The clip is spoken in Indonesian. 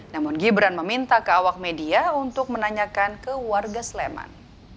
namun gibran meminta ke awak media untuk menanyakan ke warga sleman